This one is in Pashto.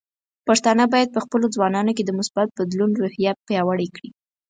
پښتانه بايد په خپلو ځوانانو کې د مثبت بدلون روحیه پیاوړې کړي.